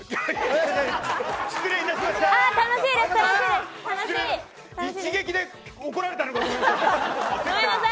失礼いたしました。